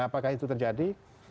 apakah itu terjadi